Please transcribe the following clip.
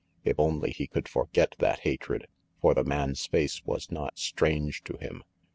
If only he could forget that hatred, for the man's face was not strange to him.